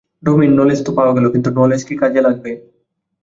Domain knowledge তো পাওয়া গেল, কিন্তু নলেজ কি কাজে লাগবে?